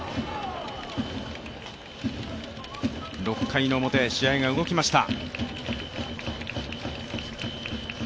６回の表、試合が動きました。